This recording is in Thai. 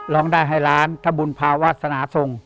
ร้องได้ให้ล้านถ้าบุญภาวาสนาทรง